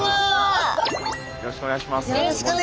よろしくお願いします。